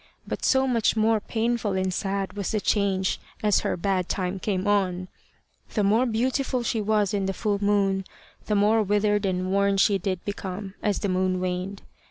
But so much more painful and sad was the change as her bad time came on. The more beautiful she was in the full moon, the more withered and worn did she become as the moon waned.